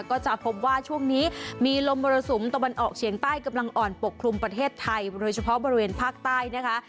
ก็จะพบว่าช่วงนี้มีลมมรสุมตะวันออกเฉียงใต้กำลังอ่อนปกคลุมประเทศไทยโดยเฉพาะบริเวณภาคใต้นะคะ